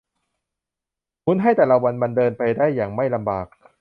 หมุนให้แต่ละวันมันเดินไปได้อย่างไม่ลำบาก